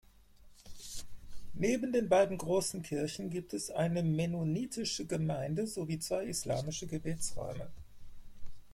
Neben den beiden großen Kirchen gibt es eine mennonitische Gemeinde sowie zwei islamische Gebetsräume.